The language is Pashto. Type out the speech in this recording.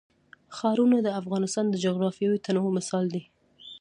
ښارونه د افغانستان د جغرافیوي تنوع مثال دی.